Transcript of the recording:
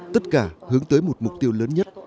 tất cả hướng tới một mục tiêu lớn nhất